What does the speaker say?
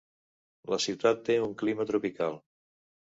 La ciutat té un clima tropical.